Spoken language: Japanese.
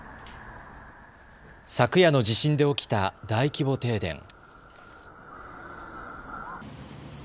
昨夜の地震で起きた大規模停電。